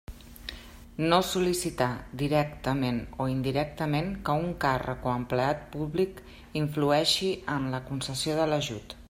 No sol·licitar, directament o indirectament, que un càrrec o empleat públic influeixi en la concessió de l'ajut.